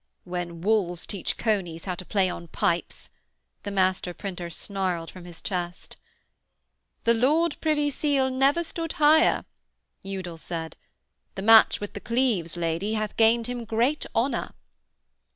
'When wolves teach conies how to play on pipes,' the master printer snarled from his chest. 'The Lord Privy Seal never stood higher,' Udal said. 'The match with the Cleves Lady hath gained him great honour.'